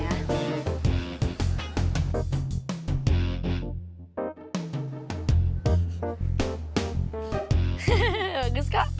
hehehe bagus kak